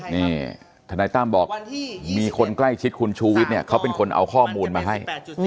นี่ทนายตั้มบอกมีคนใกล้ชิดคุณชูวิทย์เนี่ยเขาเป็นคนเอาข้อมูลมาให้